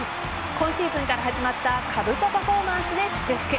今シーズンから始まったかぶとパフォーマンスで祝福。